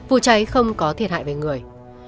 vụ cháy không có thiệt hại về người